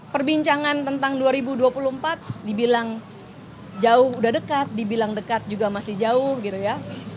perbincangan tentang dua ribu dua puluh empat dibilang jauh udah dekat dibilang dekat juga masih jauh gitu ya